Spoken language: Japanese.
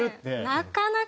なかなか。